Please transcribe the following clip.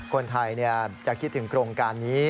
คนไทยจะคิดถึงโครงการนี้